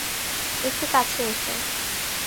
একটু কাছে এসো।